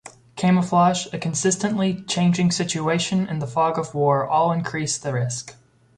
Camouflage, a constantly changing situation and the fog of war all increase the risk.